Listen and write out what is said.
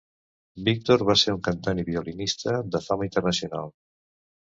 Victor va ser un cantant i violinista de fama internacional.